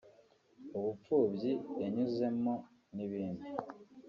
ubupfubyi yanyuzemo n’ibindi